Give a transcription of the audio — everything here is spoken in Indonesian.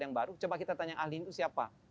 yang baru coba kita tanya ahli itu siapa